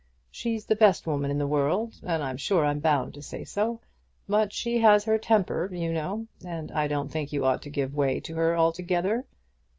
She's the best woman in the world, and I'm sure I'm bound to say so. But she has her temper, you know; and I don't think you ought to give way to her altogether.